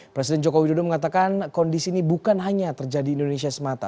presiden joko widodo mengatakan kondisi ini bukan hanya terjadi di indonesia semata